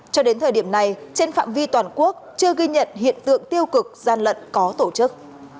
cho đến thời điểm này trên phạm vi toàn quốc chưa ghi nhận hiện tượng tiêu cực gian lận có tổ chức